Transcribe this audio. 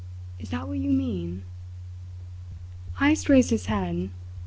is that what you mean?" Heyst raised his head.